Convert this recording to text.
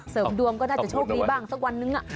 เสริมดวมก็น่าจะโชคดีบ้างสักวันนึงอะ